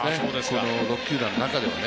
この６球団の中ではね。